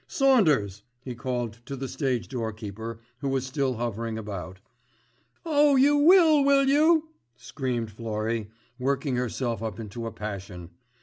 Saunders," he called to the stage doorkeeper who was still hovering about. "Oh you will, will you," screamed Florrie, working herself up into a passion.